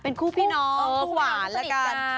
เป็นคู่พี่น้องคู่หวานละกัน